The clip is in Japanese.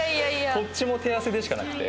こっちも手汗でしかなくて。